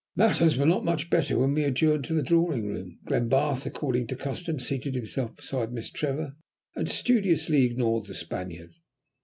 Matters were not much better when we adjourned to the drawing room. Glenbarth, according to custom, seated himself beside Miss Trevor, and studiously ignored the Spaniard.